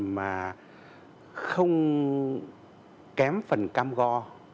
và không kém phần cam go